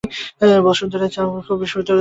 বসন্ত রায় চক্ষু বিস্ফারিত করিয়া কহিলেন, সত্য নাকি?